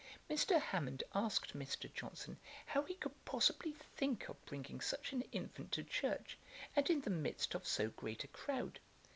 Mr. Hammond asked Mr. Johnson how he could possibly think of bringing such an infant to church, and in the midst of so great a croud.